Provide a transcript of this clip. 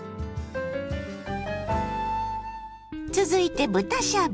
続いて豚しゃぶ。